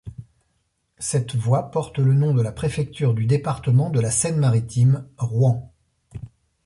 Cette voie porte le nom de la préfecture du département de la Seine-Maritime, Rouen.